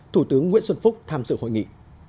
thủ tướng nguyễn xuân phúc tham dự hội nghị